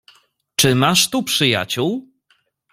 "Czy masz tu przyjaciół?"